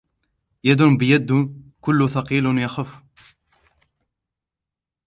يد بيد كل ثقيل يخف.